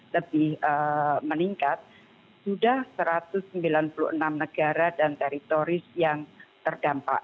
lebih meningkat sudah satu ratus sembilan puluh enam negara dan teritoris yang terdampak